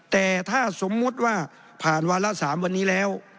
แต่ถ้าสมมุติว่าผ่านวาระ๓วันนี้แล้ว